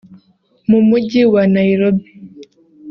mu mujyi wa Nairobi